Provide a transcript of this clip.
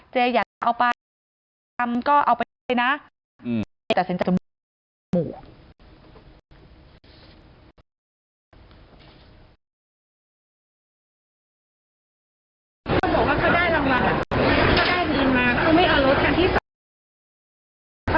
เจ๊อยากเอาไปทำก็เอาไปเลยนะแต่ก็ตัดสินจำจมูก